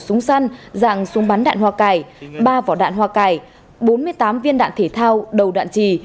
súng săn dạng súng bắn đạn hoa cải ba vỏ đạn hoa cải bốn mươi tám viên đạn thể thao đầu đạn trì